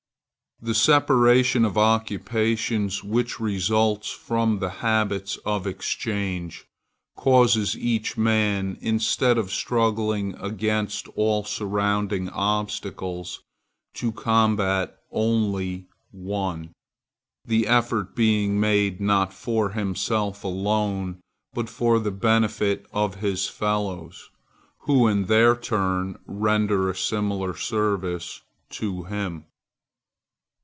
The separation of occupations, which results from the habits of exchange, causes each man, instead of struggling against all surrounding obstacles to combat only one; the effort being made not for himself alone, but for the benefit of his fellows, who, in their turn, render a similar service to him.